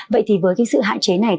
vậy thì với sự hạn chế này